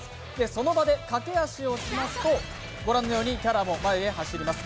その場で駆け足をしますとご覧のようにキャラも前に走ります。